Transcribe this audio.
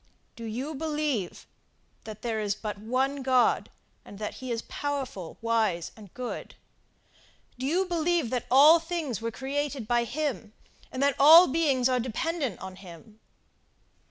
Do you believe that there is but one God, and that he is powerful, wise, and good? Do you believe that all things were created by him, and that all beings are dependent on him?